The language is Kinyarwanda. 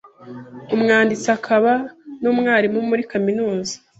umwanditsi akaba numwarimu muri kaminuza